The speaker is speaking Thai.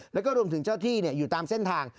แล้วก็รวมถึงเจ้าที่อยู่ตามเส้นทาง